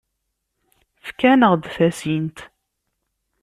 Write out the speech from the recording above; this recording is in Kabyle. Efk-aneɣ-d tasint.